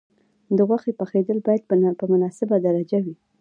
د غوښې پخېدل باید په مناسبه درجه وي.